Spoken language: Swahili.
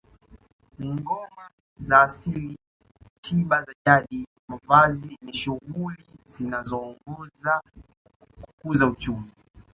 Ngoma za asili tiba za jadi mavazi ni shughuli zinazoongoza kukuza uchumi